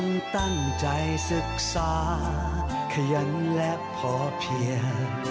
ตั้งใจศึกษาขยันและพอเพียง